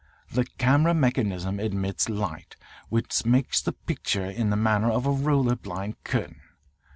The camera mechanism admits light, which makes the picture, in the manner of a roller blind curtain.